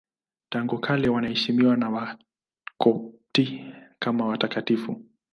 Tangu kale wanaheshimiwa na Wakopti kama watakatifu.